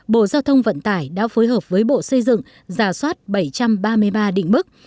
bộ giao thông vận tải đã phối hợp với bộ xây dựng giả soát bảy trăm ba mươi ba định mức